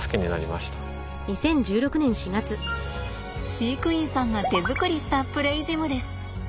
飼育員さんが手作りしたプレイジムです。